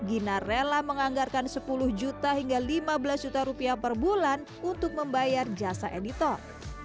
gina rela menganggarkan sepuluh juta hingga lima belas juta rupiah per bulan untuk membayar jasa editor